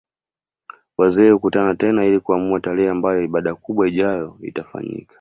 Wazee hukutana tena ili kuamua tarehe ambayo ibada kubwa ijayo itafanyika